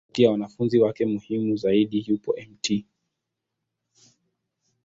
Kati ya wanafunzi wake muhimu zaidi, yupo Mt.